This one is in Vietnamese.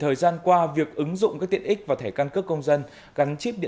thời gian qua việc ứng dụng các tiện ích và thẻ căn cước công dân gắn chip điện tử đã mang đến một nguyên liệu